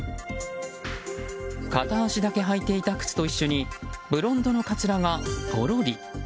片足だけはいていた靴と一緒にブロンドのかつらがポロリ。